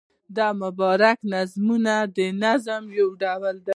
د مبارکۍ نظمونه د نظم یو ډول دﺉ.